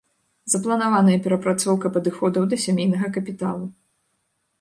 Запланаваная перапрацоўка падыходаў да сямейнага капіталу.